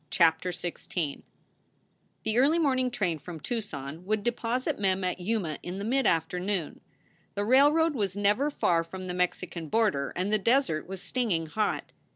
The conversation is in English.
CHAPTER XVI THE early morning train from Tucson would deposit Mem at Yuma in the midafternoon. The railroad was never far from the Mexican border and the desert was stinging hot.